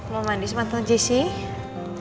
mau mandi sama tantu jisih